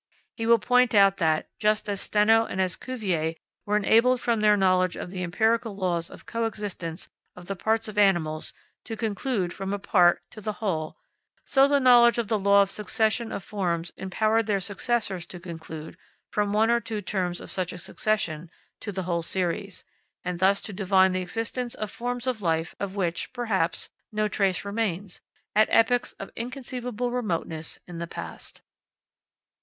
He will point out that, just as Steno and as Cuvier were enabled from their knowledge of the empirical laws of co existence of the parts of animals to conclude from a part to the whole, so the knowledge of the law of succession of forms empowered their successors to conclude, from one or two terms of such a succession, to the whole series; and thus to divine the existence of forms of life, of which, perhaps, no trace remains, at epochs of inconceivable remoteness in the past.